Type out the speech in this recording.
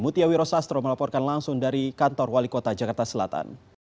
mutia wiro sastro melaporkan langsung dari kantor wali kota jakarta selatan